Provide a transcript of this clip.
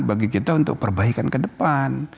bagi kita untuk perbaikan kedepan